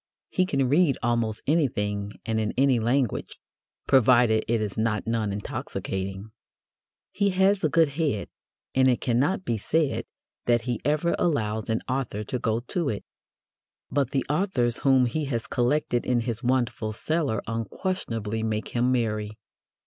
He can read almost anything and in any language, provided it is not non intoxicating. He has a good head, and it cannot be said that he ever allows an author to go to it. But the authors whom he has collected in his wonderful cellar unquestionably make him merry.